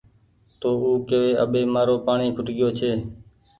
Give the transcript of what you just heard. تو او ڪيوي اٻي مآرو پآڻيٚ کٽگيو ڇي